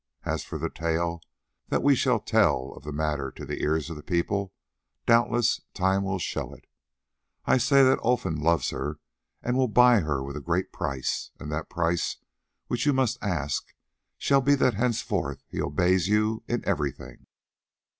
As for the tale that we shall tell of the matter to the ears of the people, doubtless time will show it. I say that Olfan loves her and will buy her with a great price, and the price which you must ask shall be that henceforth he obeys you in everything."